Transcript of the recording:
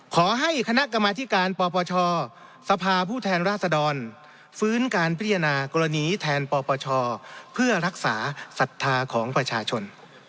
ขอให้คณะกรรมธิการปปชสภาผู้แทนราษดรฟื้นการพิจารณากรณีแทนปปชเพื่อรักษาศรัทธาของประชาชน